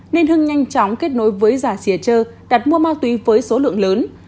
nên hưng nhanh chóng kết nối với già xìa chơ đặt mua ma túy với số lượng lớn